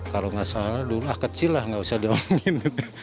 kalau nggak salah dulu ah kecil lah nggak usah diomongin